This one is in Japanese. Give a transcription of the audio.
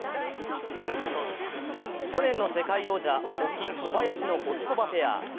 去年の世界王者、保木・小林のホキコバペア。